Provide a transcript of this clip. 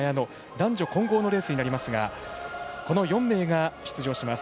男女混合のレースになりますがこの４名が出場します。